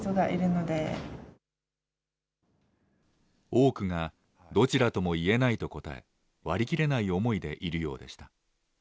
多くが、どちらとも言えないと答え、割り切れない思いでいるようでした。